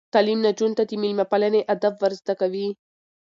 تعلیم نجونو ته د میلمه پالنې آداب ور زده کوي.